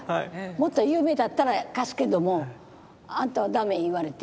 もっと有名だったら貸すけどもあんたは駄目言われて。